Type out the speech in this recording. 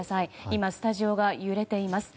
今、スタジオが揺れています。